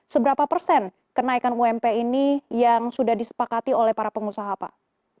seberapa persen kenaikan ump ini yang sudah disepakati oleh para pengusaha pak